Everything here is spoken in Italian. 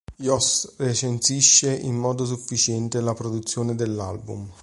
Jost recensisce in modo sufficiente la produzione dell'album.